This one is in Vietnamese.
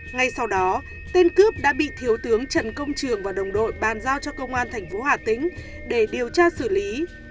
ngay sau đó tên cướp đã bị thiếu tướng trần công trường và đồng đội bàn giao cho công an thành phố hà tĩnh để điều tra xử lý